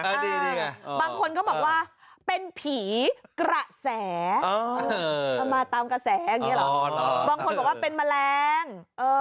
บางคนก็บอกว่าเป็นผีกระแสบางคนบอกว่าเป็นแมลง